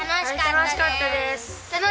楽しかったです！